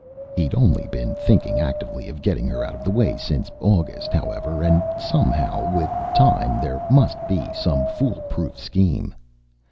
He'd only been thinking actively of getting her out of the way since August, however; and somehow, with time, there must be some fool proof scheme.